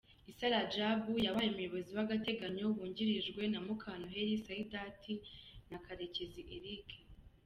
Issa Radjabu yabaye umuyobozi w’agateganyo wungirijwe na Mukanoheli Saidati na Karekezi Eric.